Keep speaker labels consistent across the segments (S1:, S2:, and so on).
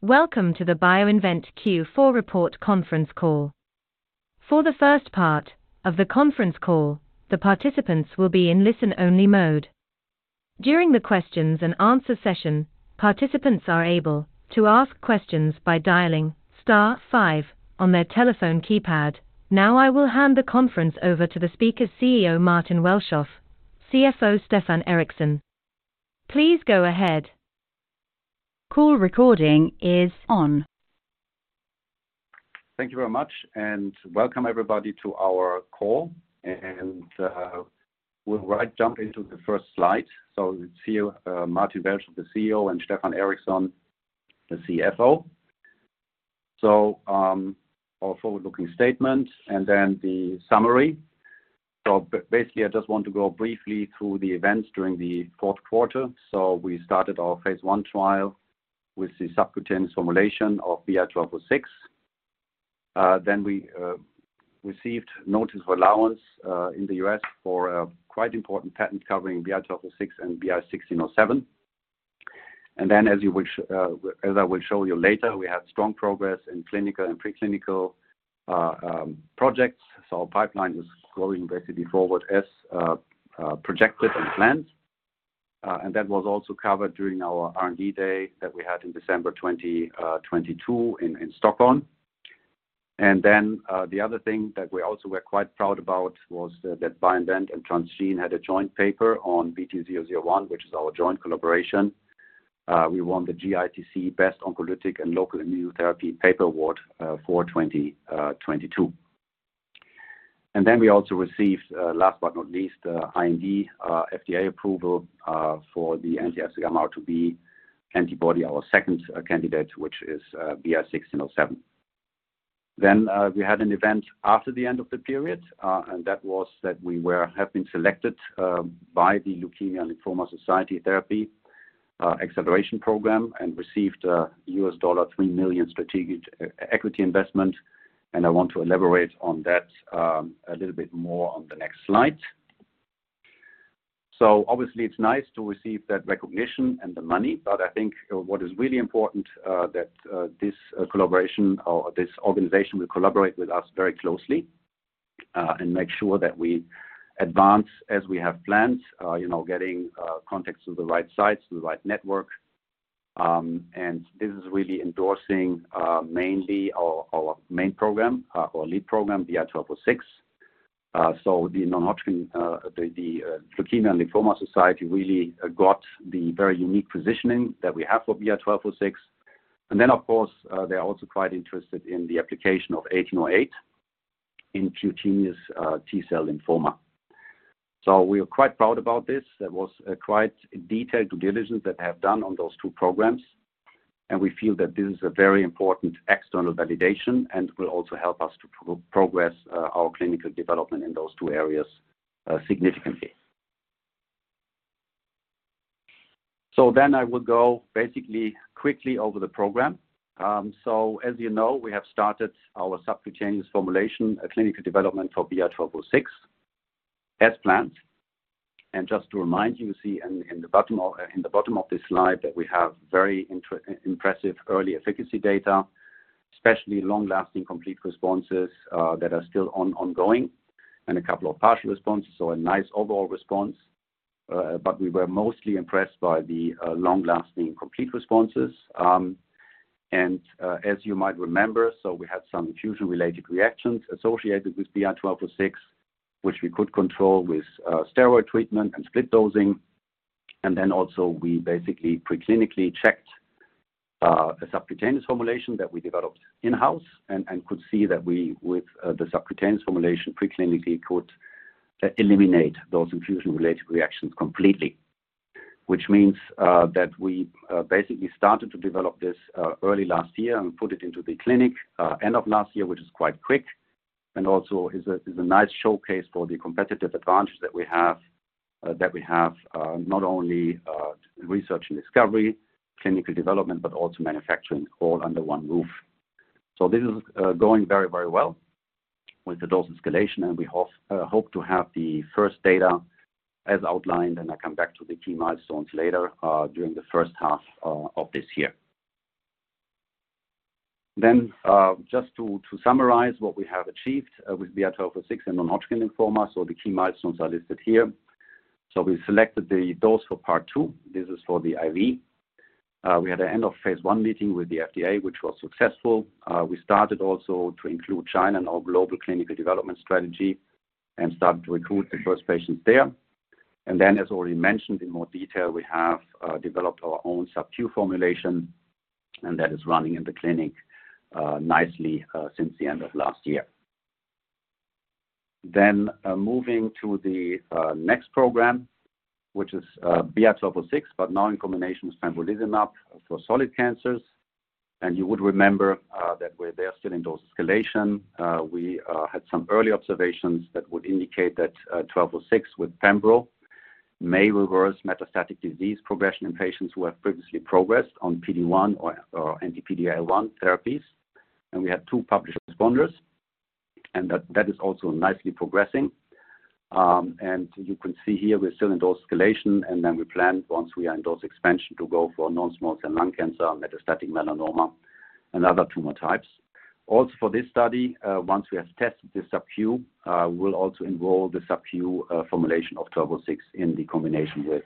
S1: Welcome to the BioInvent Q4 report conference call. For the first part of the conference call, the participants will be in listen-only mode. During the questions and answer session, participants are able to ask questions by dialing star five on their telephone keypad. I will hand the conference over to the speakers CEO, Martin Welschof, CFO, Stefan Eriksson. Please go ahead. Call recording is on.
S2: Thank you very much, welcome everybody to our call. We'll right jump into the first slide. It's here, Martin Welschof, the CEO, and Stefan Eriksson, the CFO. Our forward-looking statement and then the summary. Basically, I just want to go briefly through the events during the fourth quarter. We started our phase I trial with the subcutaneous formulation of BI-1206. We received notice for allowance in the U.S. for a quite important patent covering BI-1206 and BI-1607. As I will show you later, we had strong progress in clinical and pre-clinical projects. Our pipeline was growing basically forward as projected and planned. That was also covered during our R&D day that we had in December 2022 in Stockholm. The other thing that we also were quite proud about was that BioInvent and Transgene had a joint paper on BT-001, which is our joint collaboration. We won the JITC Best Oncolytic and Local Immunotherapy Paper Award for 2022. We also received, last but not least, IND FDA approval for the anti-FcγRIIB antibody, our second candidate, which is BI-1607. We had an event after the end of the period, and that was that we have been selected by The Leukemia & Lymphoma Society Therapy Acceleration Program and received a $3 million strategic equity investment. I want to elaborate on that a little bit more on the next slide. Obviously, it's nice to receive that recognition and the money, but I think what is really important, that this collaboration or this organization will collaborate with us very closely and make sure that we advance as we have planned, you know, getting contacts to the right sites, to the right network. This is really endorsing mainly our main program, our lead program, BI-1206. The non-Hodgkin, the The Leukemia & Lymphoma Society really got the very unique positioning that we have for BI-1206. Of course, they are also quite interested in the application of BI-1808 in Cutaneous T-cell lymphoma. We are quite proud about this. That was a quite detailed due diligence that they have done on those two programs, and we feel that this is a very important external validation and will also help us to progress our clinical development in those two areas significantly. I will go basically quickly over the program. As you know, we have started our subcutaneous formulation clinical development for BI-1206 as planned. Just to remind you, see in the bottom of in the bottom of this slide that we have very impressive early efficacy data, especially long-lasting complete responses that are still ongoing and a couple of partial responses. A nice overall response. We were mostly impressed by the long-lasting complete responses. As you might remember, we had some infusion-related reactions associated with BI-1206, which we could control with steroid treatment and split dosing. We basically pre-clinically checked a subcutaneous formulation that we developed in-house and could see that we with the subcutaneous formulation pre-clinically could eliminate those infusion-related reactions completely. Which means that we basically started to develop this early last year and put it into the clinic end of last year, which is quite quick and also is a nice showcase for the competitive advantage that we have, that we have not only research and discovery, clinical development, but also manufacturing all under one roof. This is going very, very well with the dose escalation, and we hope to have the first data as outlined, and I'll come back to the key milestones later, during the first half of this year. Just to summarize what we have achieved with BI-1206 and non-Hodgkin lymphoma. The key milestones are listed here. We selected the dose for part two. This is for the IV. We had an end of phase 1 meeting with the FDA, which was successful. We started also to include China in our global clinical development strategy and started to recruit the first patients there. As already mentioned in more detail, we have developed our own sub-Q formulation, and that is running in the clinic nicely since the end of last year. Moving to the next program, which is BI-1206, but now in combination with pembrolizumab for solid cancers. You would remember that we're there still in dose escalation. We had some early observations that would indicate that BI-1206 with pembro may reverse metastatic disease progression in patients who have previously progressed on PD-1 or anti-PD-L1 therapies. We had two published responders. That is also nicely progressing. You can see here we're still in dose escalation, and then we plan, once we are in dose expansion, to go for non-small cell lung cancer, metastatic melanoma, and other tumor types. Also, for this study, once we have tested the sub-Q, we'll also enroll the sub-Q formulation of BI-1206 in the combination with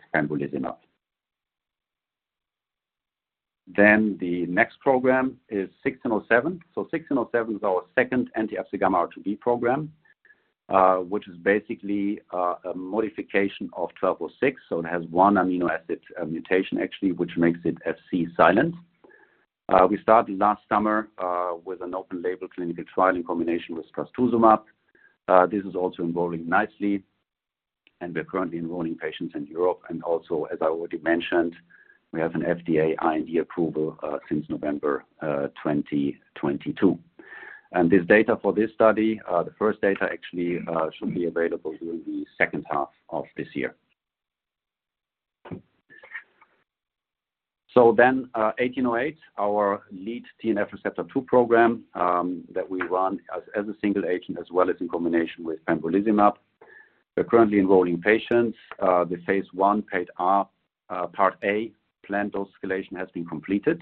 S2: pembrolizumab. The next program is BI-1607. six and oh seven is our second anti-EpCAM R2B program, which is basically a modification of twelve oh six. It has one amino acid mutation actually, which makes it Fc-silent. We started last summer with an open-label clinical trial in combination with trastuzumab. This is also enrolling nicely, and we're currently enrolling patients in Europe, and also, as I already mentioned, we have an FDA IND approval since November 2022. This data for this study, the first data actually, should be available during the second half of this year. eighteen oh eight, our lead TNF receptor two program, that we run as a single agent as well as in combination with pembrolizumab. We're currently enrolling patients. The phase one Part A planned dose escalation has been completed.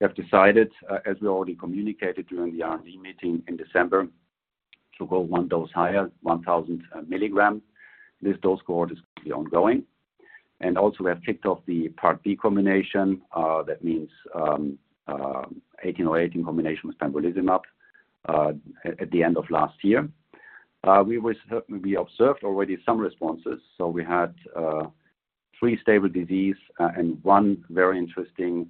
S2: We have decided, as we already communicated during the R&D meeting in December, to go one dose higher, 1,000 milligrams. This dose cohort is going to be ongoing. We have kicked off the Part B combination. That means BI-1808 in combination with pembrolizumab at the end of last year. We observed already some responses. We had three stable disease and one very interesting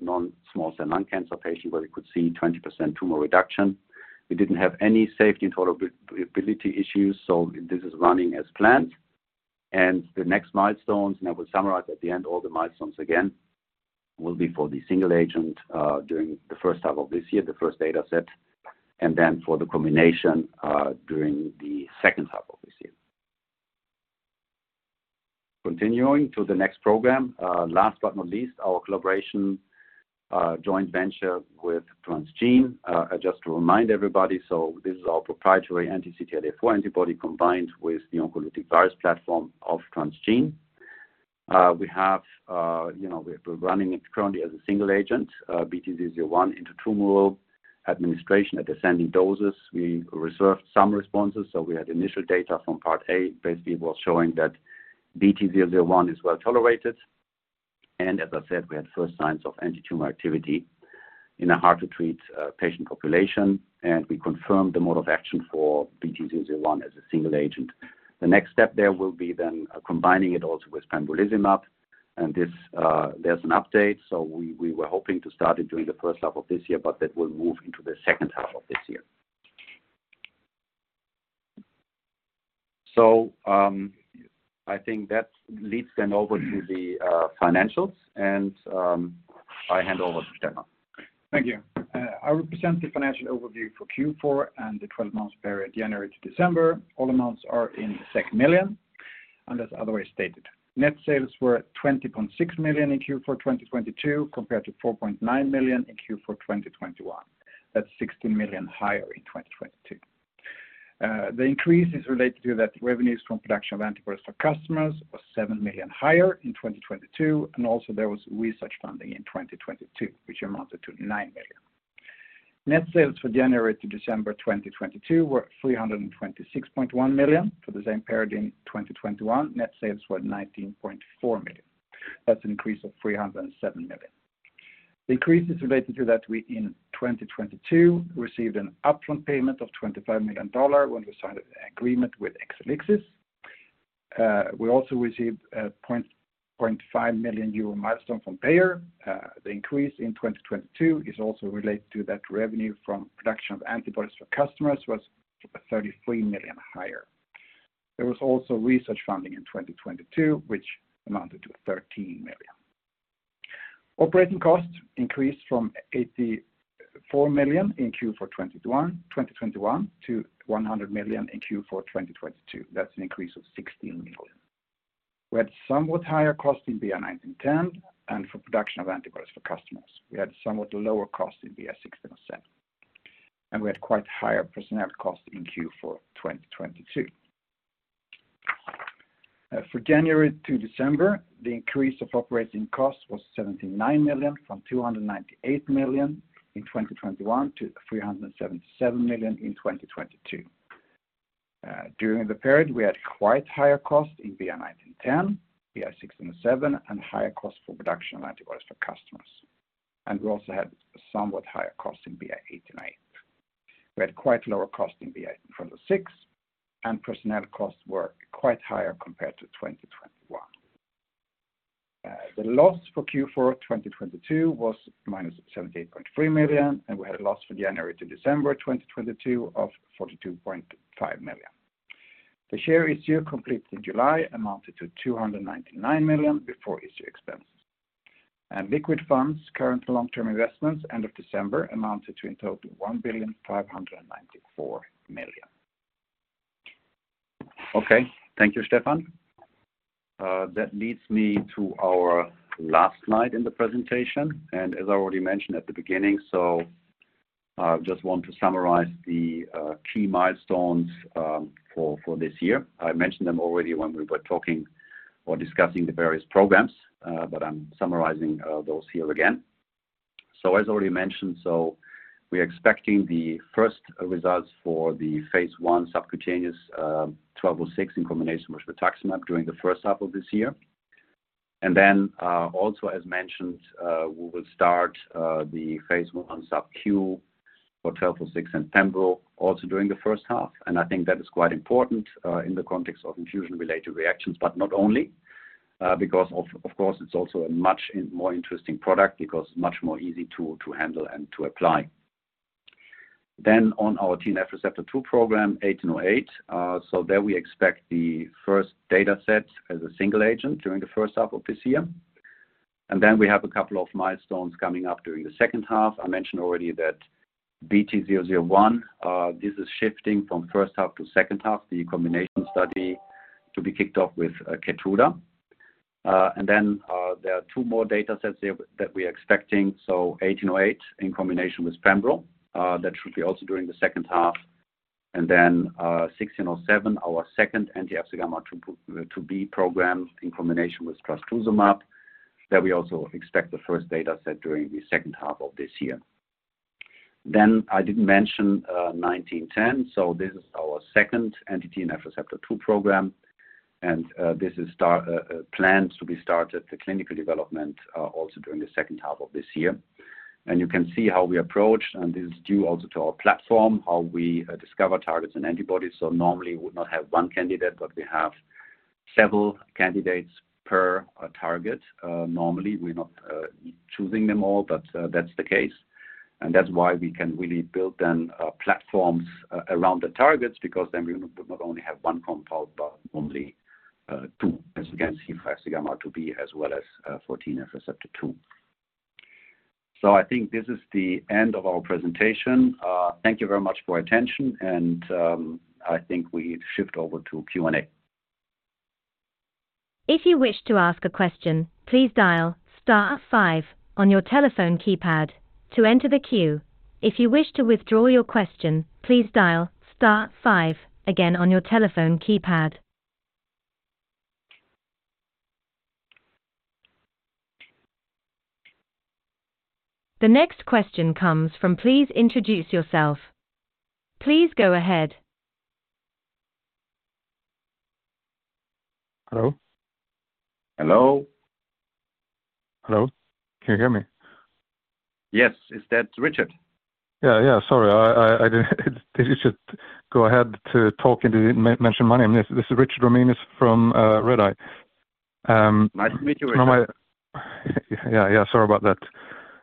S2: non-small cell lung cancer patient where we could see 20% tumor reduction. We didn't have any safety and tolerability issues. This is running as planned. The next milestones, and I will summarize at the end all the milestones again, will be for the single agent, during the first half of this year, the first dataset, and then for the combination, during the second half of this year. Continuing to the next program, last but not least, our collaboration, joint venture with Transgene. Just to remind everybody, this is our proprietary anti-CTLA-4 antibody combined with the oncolytic virus platform of Transgene. We have, you know, we're running it currently as a single agent, BT-001, into tumor administration at descending doses. We observed some responses, we had initial data from Part A. It was showing that BT-001 is well-tolerated and, as I said, we had first signs of antitumor activity in a hard-to-treat patient population, and we confirmed the mode of action for BT-001 as a single agent. The next step there will be then combining it also with pembrolizumab. There's an update. We were hoping to start it during the first half of this year, but that will move into the second half of this year. I think that leads then over to the financials and I hand over to Stefan.
S3: Thank you. I represent the financial overview for Q4 and the 12 months period, January-December. All amounts are in million, unless otherwise stated. Net sales were 20.6 million in Q4 2022 compared to 4.9 million in Q4 2021. That's 16 million higher in 2022. The increase is related to that revenues from production of antibodies for customers was 7 million higher in 2022, also there was research funding in 2022, which amounted to 9 million. Net sales for January to December 2022 were 326.1 million. For the same period in 2021, net sales were 19.4 million. That's an increase of 307 million. The increase is related to that we in 2022 received an upfront payment of $25 million when we signed an agreement with Exelixis. We also received a 0.5 million euro milestone from Bayer. The increase in 2022 is also related to that revenue from production of antibodies for customers was 33 million higher. There was also research funding in 2022, which amounted to 13 million. Operating costs increased from 84 million in Q4 2021 to 100 million in Q4 2022. That's an increase of 16 million. We had somewhat higher costs in BI-1910 and for production of antibodies for customers. We had somewhat lower costs in BI-1607. We had quite higher personnel costs in Q4 2022. For January to December, the increase of operating costs was 79 million, from 298 million in 2021 to 377 million in 2022. During the period, we had quite higher costs in BI-1910, BI-1607, and higher costs for production of antibodies for customers. We also had somewhat higher costs in BI-1808. We had quite lower costs in BI-1206, and personnel costs were quite higher compared to 2021. The loss for Q4 2022 was -78.3 million, and we had a loss for January to December 2022 of 42.5 million. The share issue completed in July amounted to 299 million before issue expenses. Liquid funds, current and long-term investments end of December amounted to in total 1.594 billion.
S2: Okay. Thank you, Stefan. That leads me to our last slide in the presentation, as I already mentioned at the beginning, I just want to summarize the key milestones for this year. I mentioned them already when we were talking or discussing the various programs, I'm summarizing those here again. As already mentioned, we are expecting the first results for the phase I subcutaneous 1206 in combination with rituximab during the first half of this year. Also as mentioned, we will start the phase I sub-Q for 1206 and pembro also during the first half. I think that is quite important in the context of infusion-related reactions, not only because of course, it's also a much in... more interesting product because much more easy to handle and to apply. On our TNFR2 program, BI-1808, there we expect the first data set as a single agent during the first half of this year. We have a couple of milestones coming up during the second half. I mentioned already that BT-001, this is shifting from first half to second half, the combination study to be kicked off with Keytruda. There are two more data sets there that we are expecting. BI-1808 in combination with pembro, that should be also during the second half. 1607, our second anti-FcγRIIB program in combination with trastuzumab, that we also expect the first data set during the second half of this year. I didn't mention 1910, this is our second anti-TNF receptor two program, and this plans to be started, the clinical development, also during the second half of this year. You can see how we approach, and this is due also to our platform, how we discover targets and antibodies. Normally we would not have 1 candidate, but we have several candidates per target. Normally, we're not choosing them all, but that's the case. That's why we can really build then platforms around the targets because then we would not only have 1 compound, but only 2, as you can see for FcγRIIB as well as TNFR2. I think this is the end of our presentation. Thank you very much for your attention, and I think we shift over to Q&A.
S1: If you wish to ask a question, please dial star five on your telephone keypad to enter the queue. If you wish to withdraw your question, please dial star five again on your telephone keypad. The next question comes from... Please introduce yourself. Please go ahead.
S4: Hello?
S2: Hello.
S4: Hello. Can you hear me?
S2: Yes. Is that Richard?
S4: Yeah, yeah. Sorry, I, I didn't... Thought you should go ahead to talk, and you didn't mention my name. Yes, this is Richard Ramanius from Redeye.
S2: Nice to meet you, Richard.
S4: No, my Yeah, yeah, sorry about that.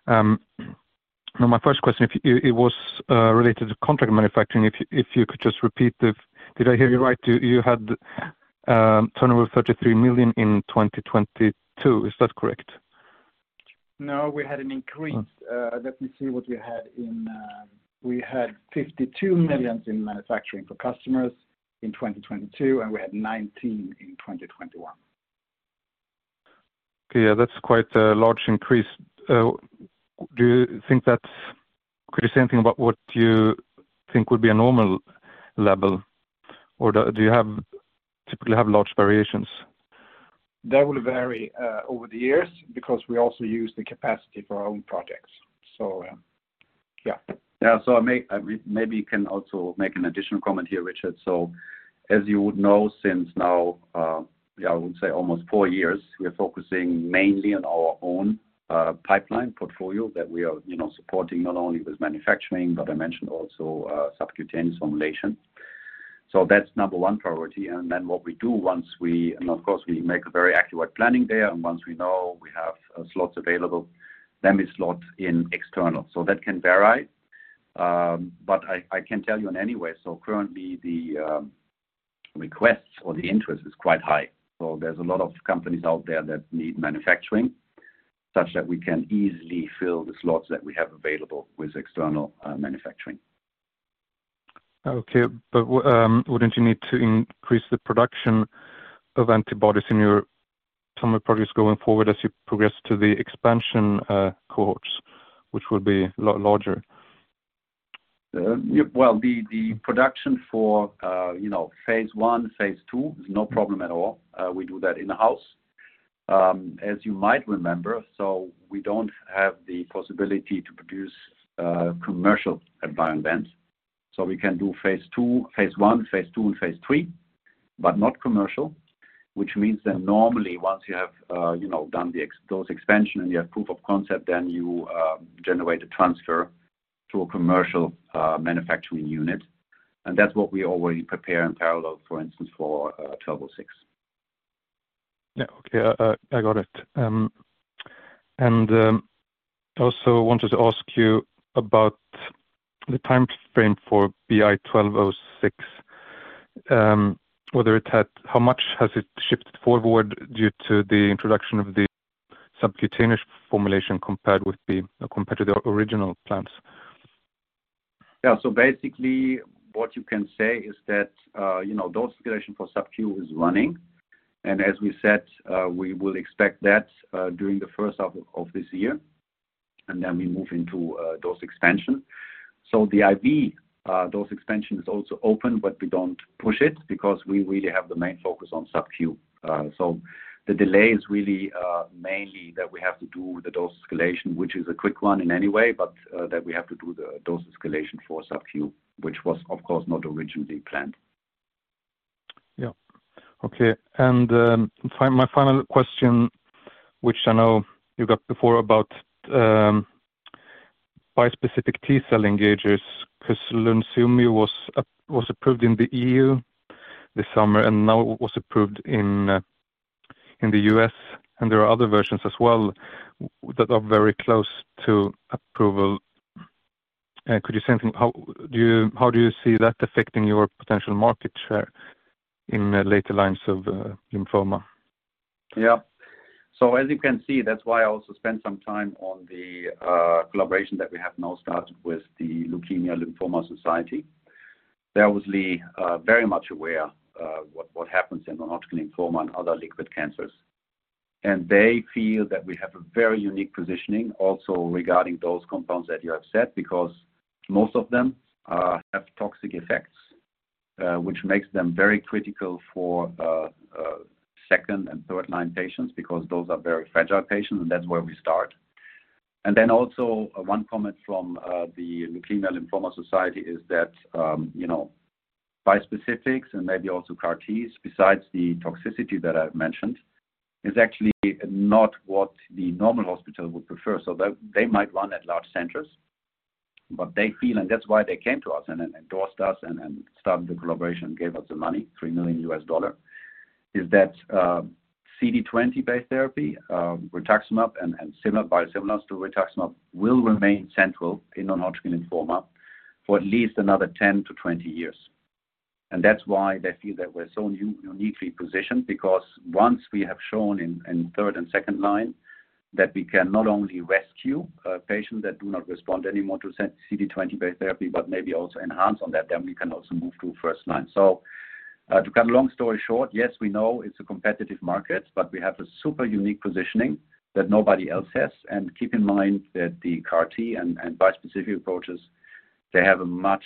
S4: No, my first question, if it was related to contract manufacturing. If you could just repeat if did I hear you right, you had turnover 33 million in 2022. Is that correct?
S3: No, we had an increase. Let me see what we had in. We had 52 million in manufacturing for customers in 2022, and we had 19 in 2021.
S4: Okay. Yeah, that's quite a large increase. Could you say anything about what you think would be a normal level? Do you typically have large variations?
S3: That will vary, over the years because we also use the capacity for our own projects. Yeah.
S2: Yeah. Maybe you can also make an additional comment here, Richard. As you would know, since now, I would say almost four years, we are focusing mainly on our own pipeline portfolio that we are, you know, supporting not only with manufacturing but I mentioned also subcutaneous formulation. That's number one priority. What we do, and of course, we make a very accurate planning there, and once we know we have slots available, then we slot in external. That can vary. But I can tell you in any way, currently the request or the interest is quite high. There's a lot of companies out there that need manufacturing such that we can easily fill the slots that we have available with external manufacturing.
S4: Okay. Wouldn't you need to increase the production of antibodies in your tumor products going forward as you progress to the expansion cohorts, which will be a lot larger?
S2: Well, the production for, you know, phase I, phase II is no problem at all. We do that in-house. As you might remember, we don't have the possibility to produce commercial at BioInvent. We can do phase II, phase I, phase II, and phase III, but not commercial, which means that normally once you have, you know, done those expansion and you have proof of concept, then you generate a transfer to a commercial manufacturing unit. That's what we already prepare in parallel, for instance, for BI-1206.
S4: Yeah. Okay. I got it. Also wanted to ask you about the timeframe for BI-1206, how much has it shifted forward due to the introduction of the subcutaneous formulation compared to the original plans?
S2: Yeah. Basically what you can say is that, you know, dose escalation for sub-Q is running. As we said, we will expect that during the first half of this year, then we move into dose expansion. The IV dose expansion is also open, but we don't push it because we really have the main focus on sub-Q. The delay is really mainly that we have to do the dose escalation, which is a quick one in any way, but that we have to do the dose escalation for sub-Q, which was of course not originally planned.
S4: Yeah. Okay. My final question, which I know you got before about bispecific T-cell engagers, 'cause Lunsumio was approved in the EU this summer, and now it was approved in the US, and there are other versions as well that are very close to approval. Could you say, how do you see that affecting your potential market share in later lines of lymphoma?
S2: Yeah. As you can see, that's why I also spent some time on the collaboration that we have now started with The Leukemia & Lymphoma Society. They're obviously very much aware of what happens in non-Hodgkin lymphoma and other liquid cancers. They feel that we have a very unique positioning also regarding those compounds that you have said, because most of them have toxic effects, which makes them very critical for second and third line patients because those are very fragile patients, and that's where we start. Also one comment from The Leukemia & Lymphoma Society is that, you know, bispecifics and maybe also CAR-Ts, besides the toxicity that I've mentioned, is actually not what the normal hospital would prefer. They, they might run at large centers, but they feel, and that's why they came to us and endorsed us and started the collaboration, gave us the money, $3 million, is that CD20-based therapy, rituximab and similar biosimilars to rituximab will remain central in non-Hodgkin lymphoma for at least another 10 years-20 years. That's why they feel that we're so uniquely positioned because once we have shown in third and second line that we can not only rescue a patient that do not respond anymore to CD20-based therapy, but maybe also enhance on that, then we can also move to first line. To cut a long story short, yes, we know it's a competitive market, but we have a super unique positioning that nobody else has. Keep in mind that the CAR-T and bispecific approaches, they have a much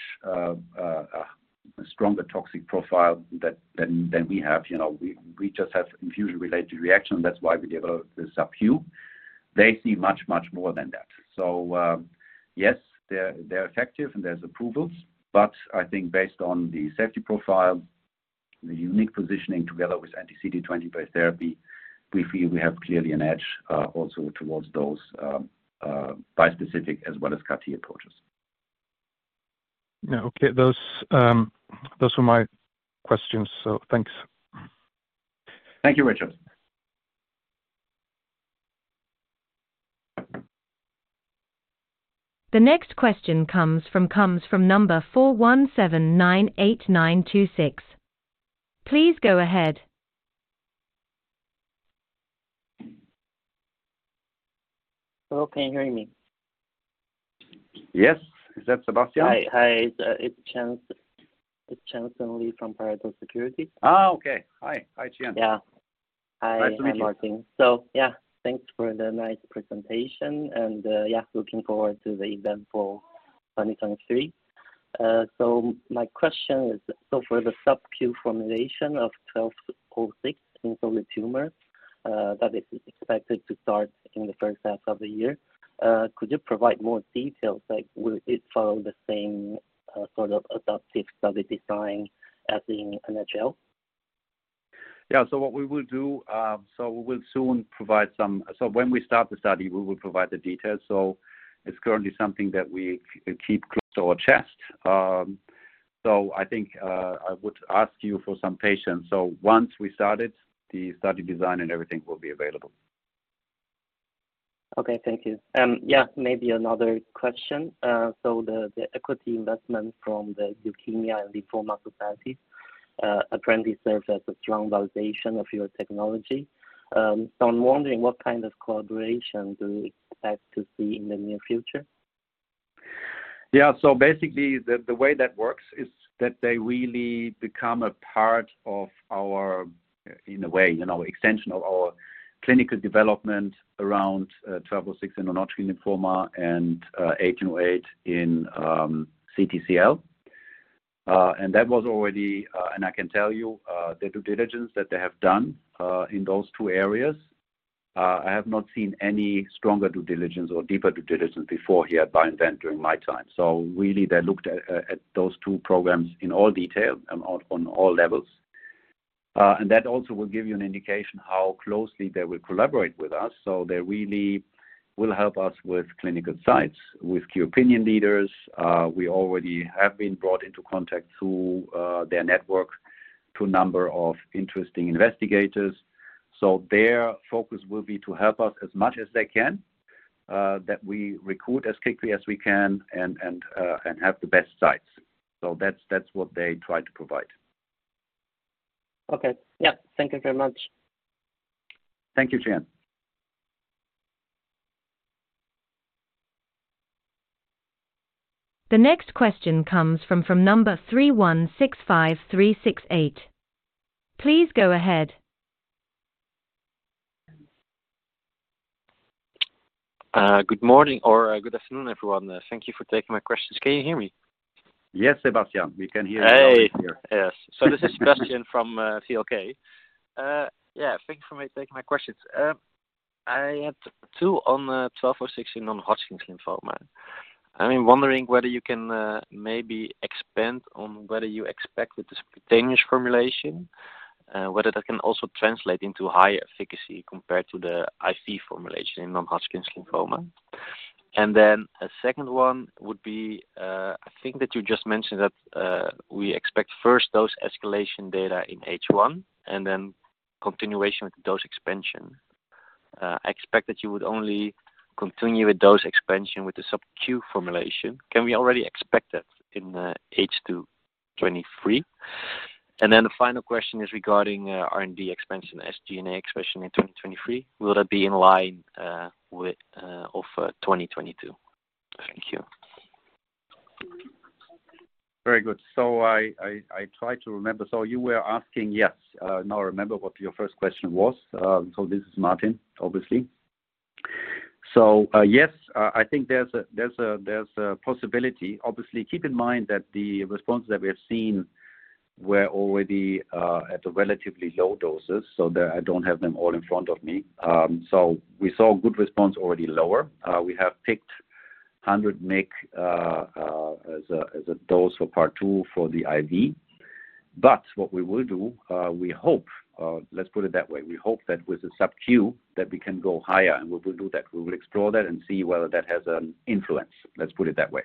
S2: stronger toxic profile than we have. You know, we just have infusion-related reaction. That's why we developed the sub-Q. They see much more than that. Yes, they're effective and there's approvals, but I think based on the safety profile, the unique positioning together with anti-CD20-based therapy, we feel we have clearly an edge also towards those bispecific as well as CAR-T approaches.
S4: Yeah. Okay. Those, those were my questions, thanks.
S2: Thank you, Richard.
S1: The next question comes from number 41798926. Please go ahead.
S5: Hello, can you hear me?
S2: Yes. Is that Sebastian?
S5: Hi. Hi. It's, it's Dan. It's Dan Akschuti from Pareto Securities.
S2: Oh, okay. Hi. Hi, Dan.
S5: Yeah.
S2: Nice to meet you.
S5: Hi. I'm Martin. Thanks for the nice presentation and, looking forward to the event for 2023. My question is, so for the sub-Q formulation of BI-1206 in solid tumor, that is expected to start in the first half of the year, could you provide more details, like will it follow the same sort of adaptive study design as in NHL?
S2: Yeah. What we will do, when we start the study, we will provide the details. It's currently something that we keep close to our chest. I think I would ask you for some patience. Once we started, the study design and everything will be available.
S5: Okay. Thank you. Yeah, maybe another question. The equity investment from The Leukemia & Lymphoma Society, apparently serves as a strong validation of your technology. I'm wondering what kind of collaboration do you expect to see in the near future?
S2: Yeah. Basically the way that works is that they really become a part of our, in a way, in our extension of our clinical development around BI-1206 in non-Hodgkin lymphoma and BI-1808 in CTCL. That was already, and I can tell you, the due diligence that they have done in those two areas, I have not seen any stronger due diligence or deeper due diligence before here at BioInvent during my time. Really they looked at those two programs in all detail and on all levels. That also will give you an indication how closely they will collaborate with us. They really will help us with clinical sites, with key opinion leaders. We already have been brought into contact through their network to a number of interesting investigators. Their focus will be to help us as much as they can, that we recruit as quickly as we can and have the best sites. That's what they try to provide.
S5: Okay. Yeah. Thank you very much.
S2: Thank you, Dan Akschuti.
S1: The next question comes from number 3165368. Please go ahead.
S6: Good morning or, good afternoon, everyone. Thank you for taking my questions. Can you hear me?
S2: Yes, Sebastian, we can hear you loud and clear.
S6: Hey. Yes. This is Sebastiaan from Kempen. Yeah, thank you for taking my questions. I had two on BI-1206 in non-Hodgkin's lymphoma. I'm wondering whether you can maybe expand on whether you expect with the subcutaneous formulation, whether that can also translate into high efficacy compared to the IV formulation in non-Hodgkin's lymphoma. A second one would be, I think that you just mentioned that we expect first dose escalation data in H1 and then continuation with dose expansion. I expect that you would only continue with dose expansion with the sub-Q formulation. Can we already expect that in H2 2023? The final question is regarding R&D expansion, SG&A expansion in 2023. Will that be in line with 2022? Thank you.
S2: Very good. I try to remember. You were asking, yes, now I remember what your first question was. This is Martin, obviously. Yes, I think there's a possibility. Obviously, keep in mind that the responses that we have seen were already at a relatively low doses, so they're. I don't have them all in front of me. We saw good response already lower. We have picked 100 mg as a dose for part II for the IV. What we will do, we hope, let's put it that way. We hope that with the sub-Q that we can go higher, and we will do that. We will explore that and see whether that has an influence. Let's put it that way.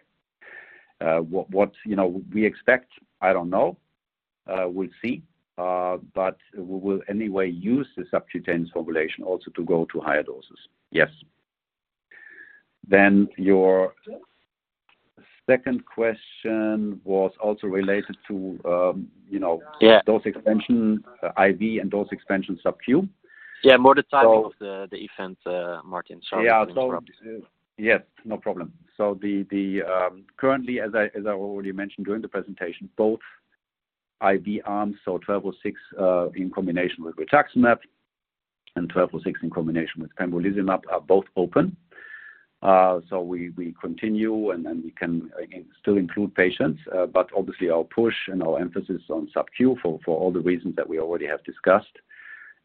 S2: What, you know, we expect, I don't know. We'll see. We will anyway use the subcutaneous formulation also to go to higher doses. Yes. Your second question was also related to, you know.
S6: Yeah.
S2: Dose expansion IV and dose expansion sub-Q.
S6: Yeah. More the timing-
S2: So-
S6: -of the event, Martin. Sorry to interrupt.
S2: Yes, no problem. The currently, as I already mentioned during the presentation, both IV arms, BI-1206 in combination with rituximab and BI-1206 in combination with pembrolizumab are both open. We continue, we can, again, still include patients. Obviously our push and our emphasis on sub-Q for all the reasons that we already have discussed.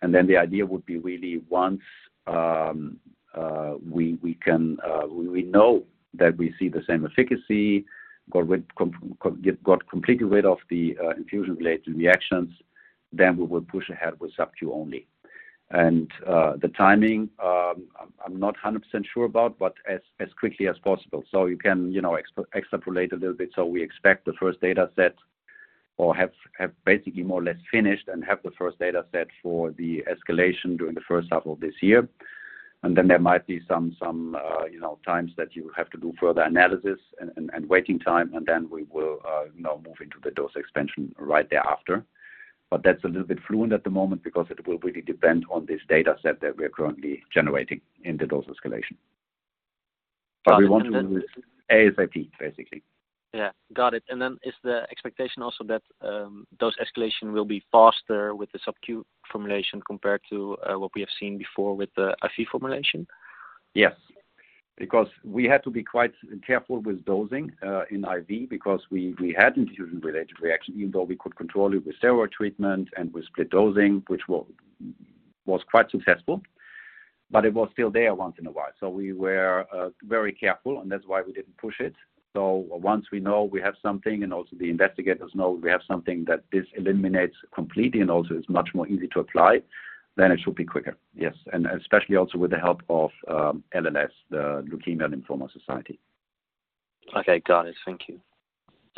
S2: The idea would be really once we can, we know that we see the same efficacy, got completely rid of the infusion-related reactions, then we will push ahead with sub-Q only. The timing, I'm not 100% sure about, but as quickly as possible. You can, you know, extrapolate a little bit. We expect the first data set or have basically more or less finished and have the first data set for the escalation during the first half of this year. Then there might be some, you know, times that you have to do further analysis and waiting time, and then we will, you know, move into the dose expansion right thereafter. That's a little bit fluid at the moment because it will really depend on this data set that we are currently generating in the dose escalation. We want to move ASAP, basically.
S6: Yeah. Got it. Is the expectation also that dose escalation will be faster with the sub-Q formulation compared to what we have seen before with the IV formulation?
S2: Yes. We had to be quite careful with dosing in IV because we had infusion-related reaction even though we could control it with steroid treatment and with split dosing, which was quite successful. It was still there once in a while. We were very careful, and that's why we didn't push it. Once we know we have something, and also the investigators know we have something that this eliminates completely, and also it's much more easy to apply, then it should be quicker. Yes. Especially also with the help of LLS, The Leukemia & Lymphoma Society.
S6: Okay. Got it. Thank you.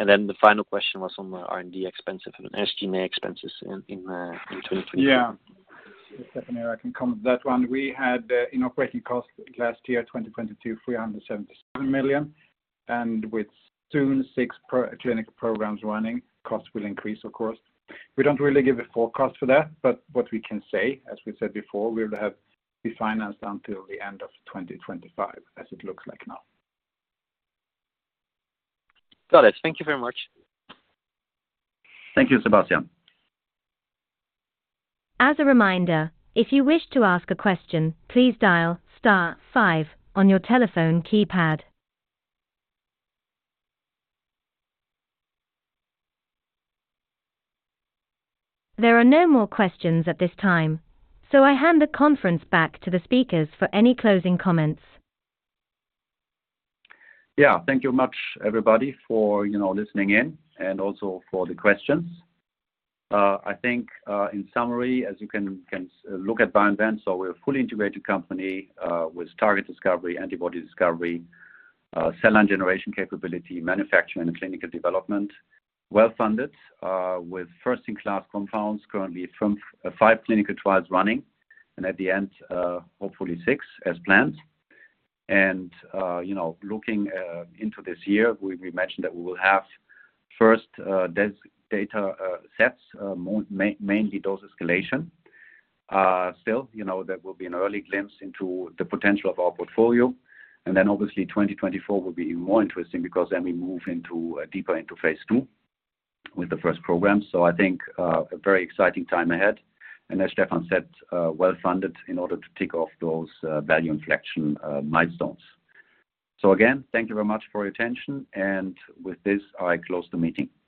S6: Then the final question was on the R&D expenses and SG&A expenses in 2024.
S3: Yeah. Stefan here, I can comment that one. We had in operating cost last year, 2022, 377 million. With soon six clinical programs running, costs will increase, of course. We don't really give a forecast for that, but what we can say, as we said before, we would have be financed until the end of 2025, as it looks like now.
S6: Got it. Thank you very much.
S2: Thank you, Sebastiaan.
S1: As a reminder, if you wish to ask a question, please dial star five on your telephone keypad. There are no more questions at this time. I hand the conference back to the speakers for any closing comments.
S2: Thank you much, everybody, for, you know, listening in and also for the questions. I think, in summary, as you can look at BioInvent, we're a fully integrated company with target discovery, antibody discovery, cell line generation capability, manufacturing, and clinical development. Well-funded, with first-in-class compounds currently from five clinical trials running, at the end, hopefully six as planned. You know, looking into this year, we mentioned that we will have first data sets, mainly dose escalation. Still, you know, that will be an early glimpse into the potential of our portfolio. Obviously, 2024 will be even more interesting because then we move into deeper into phase two with the first program. I think, a very exciting time ahead. As Stepan said, well-funded in order to tick off those value inflection milestones. Again, thank you very much for your attention. With this, I close the meeting. Bye-bye.